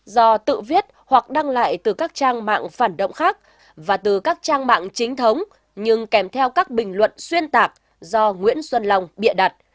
do tự viết hoặc đăng lại từ các trang mạng phản động khác và từ các trang mạng chính thống nhưng kèm theo các bình luận xuyên tạc do nguyễn xuân long bịa đặt